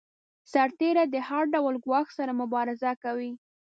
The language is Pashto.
سرتیری د هر ډول ګواښ سره مبارزه کوي.